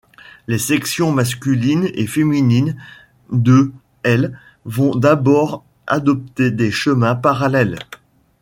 Les sections masculines et féminines de l' vont d’abord adopter des chemins parallèles.